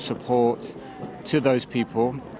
kepada orang orang tersebut